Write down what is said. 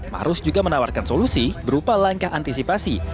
maruf juga menawarkan solusi berupa langkah antisipasi